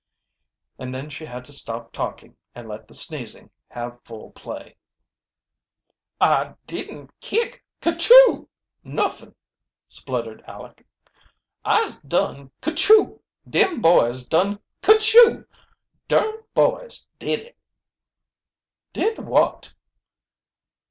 And then she had to stop talking and let the sneezing have full play. "I didn't kick ker chew nuffin!" spluttered Aleck. "I'se dun ker chew dem boys dun ker chew! Dern boys did it." "Did what?"